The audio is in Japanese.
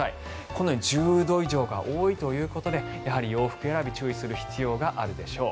このように１０度以上が多いということでやはり洋服選び注意する必要があるでしょう。